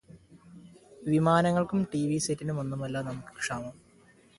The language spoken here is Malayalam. വിമാനങ്ങള്ക്കും ടിവി സെറ്റിനും ഒന്നുമല്ല നമുക്ക് ക്ഷാമം